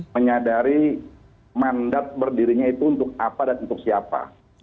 menyadari mandat berdirinya itu untuk apa dan untuk siapa